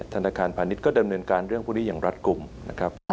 ธนาคารพาณิชย์ก็ดำเนินการเรื่องพวกนี้อย่างรัฐกลุ่มนะครับ